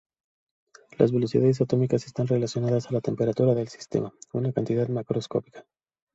Las velocidades atómicas están relacionadas a la temperatura del sistema, una cantidad macroscópica.